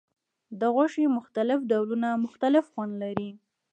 د غوښې مختلف ډولونه مختلف خوند لري.